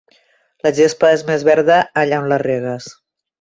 La gespa és més verda allà on la regues.